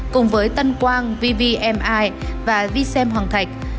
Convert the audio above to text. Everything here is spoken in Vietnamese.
cùng với tân quang vvmi và vxm hoàng thạch